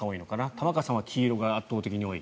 玉川さんは黄色が圧倒的に多い。